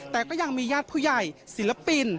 แต่ก็ยังมีญาติผู้ใหญ่ศิลปิน